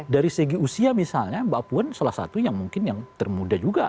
dari segi usia misalnya mbak puan salah satu yang mungkin yang termuda juga